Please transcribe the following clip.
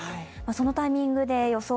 そのタイミングで予想